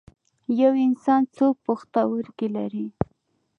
یو انسان څو پښتورګي لري